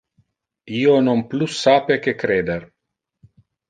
Io non plus sape que creder.